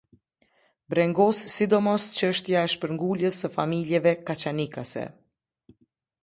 Brengos sidomos çështja e shpërnguljes së familjeve kaçanikase.